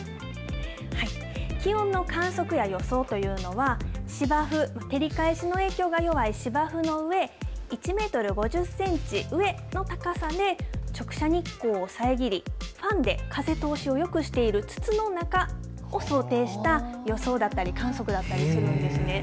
気温の観測や予想というのは、芝生、照り返しの影響が弱い芝生の上、１メートル５０センチ上の高さで、直射日光を遮り、ファンで風通しをよくしている筒の中を想定した予想だったり、観測だったりするんですね。